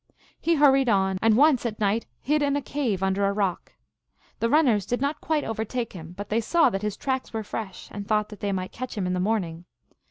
He hurried on, and once at iii lit hid in a cave under a rock. The runners did o not quite overtake him, but they saw that his tracks were fresh, and thought they might catch him in the morning.